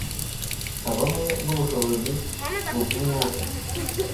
habamo n’ubushobozi mu by’umwuka